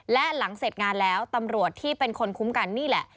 และหลังเสร็จงานแล้วตำรวจที่เป็นคนคุ้มกันนี่แหละ